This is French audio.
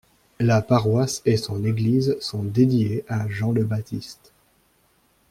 La paroisse et son église sont dédiées à Jean le Baptiste.